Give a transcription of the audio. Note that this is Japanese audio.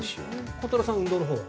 鋼太郎さんは運動のほうは？